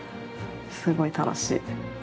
すごい楽しい。